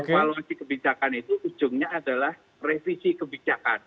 evaluasi kebijakan itu ujungnya adalah revisi kebijakan